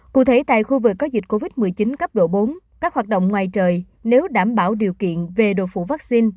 cụ thể tại khu vực có dịch covid một mươi chín cấp độ bốn các hoạt động ngoài trời nếu đảm bảo điều kiện về độ phủ vaccine